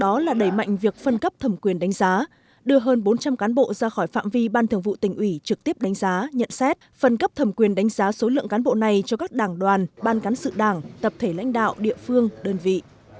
đó là đẩy mạnh việc phân cấp thẩm quyền đánh giá đưa hơn bốn trăm linh cán bộ ra khỏi phạm vi ban thường vụ tỉnh ủy trực tiếp đánh giá nhận xét phân cấp thẩm quyền đánh giá số lượng cán bộ này cho các đảng đoàn ban cán sự đảng tập thể lãnh đạo địa phương đơn vị